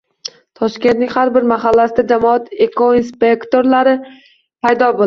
Toshkentning har bir mahallasida jamoat ekoinspektorlari paydo bo‘ladi